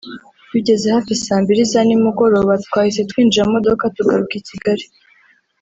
Bigeze hafi saa mbiri za nimugoroba twahise twinjira mu modoka tugaruka i Kigali